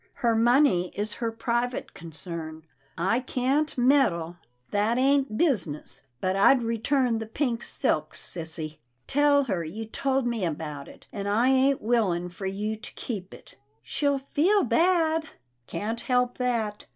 Her money is her private concern. I can't meddle. That ain't busi ness — but I'd return the pink silk, sissy. Tell her, you told me about it, and I ain't willing for you to keep it." " She'll feel bad." " Can't help that.